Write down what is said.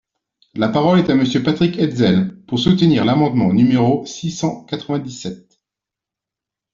La parole est à Monsieur Patrick Hetzel, pour soutenir l’amendement numéro six cent quatre-vingt-dix-sept.